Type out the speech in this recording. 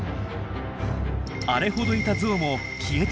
あれほどいたゾウも消えてしまいました。